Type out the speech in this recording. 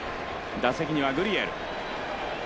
打席にはグリエル。